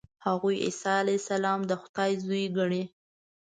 هغوی عیسی علیه السلام د خدای زوی ګڼي.